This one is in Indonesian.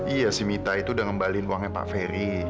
iya sih mita itu udah ngembalikan uangnya pak ferry